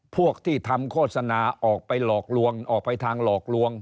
พวกที่ทำโฆษณาออกไปหลอกลวงออกไปทางหลอกลวง